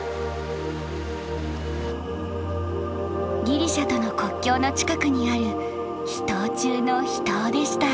ギリシャとの国境の近くにある秘湯中の秘湯でした。